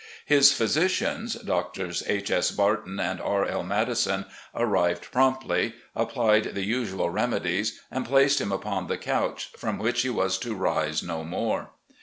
His physicians. Doctors H. S. Barton and R. L. Madison, arrived promptly, applied the usual remedies, and placed him upon the couch from which he was to rise no more.